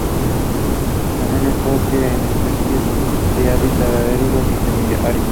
Con un enfoque en especies de hábitat áridos y semiáridos.